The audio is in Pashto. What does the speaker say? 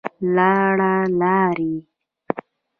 لاړه, لاړې